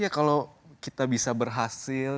ya kalau kita bisa berhasil